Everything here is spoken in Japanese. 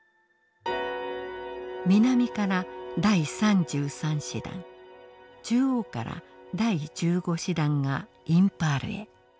南から第３３師団中央から第１５師団がインパールへ。